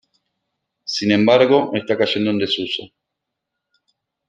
Sin embargo, está cayendo en desuso.